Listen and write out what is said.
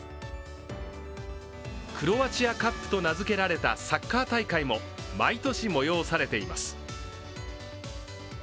クロアチアカップと名付けられたサッカー大会も毎年催されています。